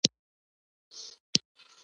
احمد زما کار هم را خرېړی کړ.